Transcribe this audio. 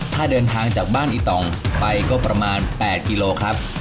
ถ้าเดินทางจากบ้านอีตองไปก็ประมาณ๘กิโลครับ